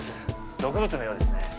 毒物のようですね。